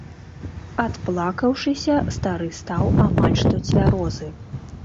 Адплакаўшыся, стары стаў амаль што цвярозы.